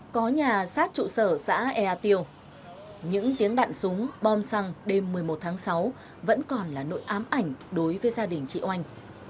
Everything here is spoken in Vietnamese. có nhà sát trụ sở xã ea tiêu những tiếng đạn súng bom xăng đêm một mươi một tháng sáu vẫn còn là nỗi ám ảnh đối với gia đình chị oanh